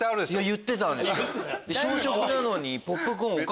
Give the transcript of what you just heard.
言ってたんですよ。